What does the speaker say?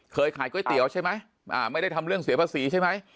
ขายก๋วยเตี๋ยวใช่ไหมไม่ได้ทำเรื่องเสียภาษีใช่ไหม